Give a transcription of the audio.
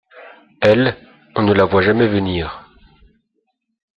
Elle, on ne la voit jamais venir.